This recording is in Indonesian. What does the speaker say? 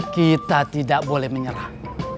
kita tidak boleh menyerah